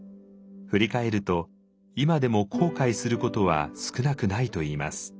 振り返ると今でも後悔することは少なくないといいます。